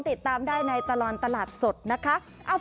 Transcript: ติดตามได้ในตลอดตลาดสดนะคะ